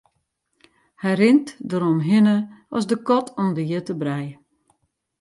Hy rint deromhinne rinne as de kat om de hjitte brij.